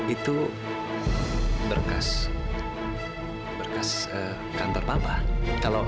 itu berkas kantor papa